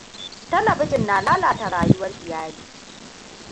Talabijan na lalata rayuwar iyali.